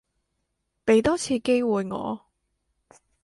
畀多次機會我